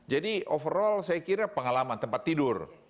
jadi overall saya kira pengalaman tempat tidur